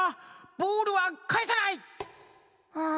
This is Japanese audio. ボールはかえさない！